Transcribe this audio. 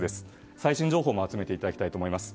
最新情報も集めていただきたいと思います。